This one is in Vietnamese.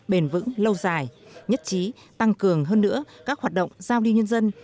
bền vững lâu dài nhất trí tăng cường hơn nữa các hoạt động giao lưu nhân dân